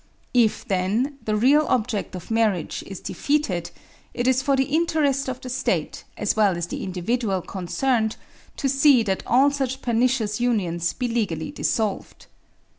If, then, the real object of marriage is defeated, it is for the interest of the State, as well as the individual concerned, to see that all such pernicious unions be legally dissolved.